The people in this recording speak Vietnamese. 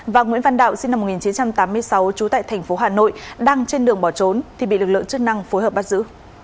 và nguyễn văn đạo sinh năm một nghìn chín trăm tám mươi sáu trú tại thành phố hà nội đang trên đường bỏ trốn thì bị lực lượng chức năng phối hợp bắt giữ